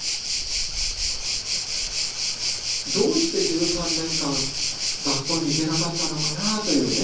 どうして１３年間学校に行けなかったのかなあというね。